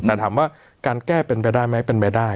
แต่ถามว่าการแก้เป็นไปได้ไหมเป็นไปได้